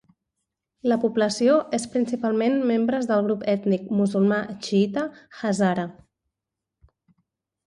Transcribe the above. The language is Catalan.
La població és principalment membres del grup ètnic musulmà xiïta Hazara.